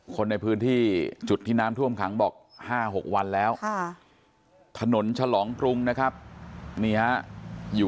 อ๋อขึ้นตัวก็ไม่ได้เลยนะคุณยาย